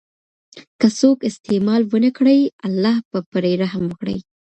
که څوک استعمال ونکړي، الله به پرې رحم وکړي.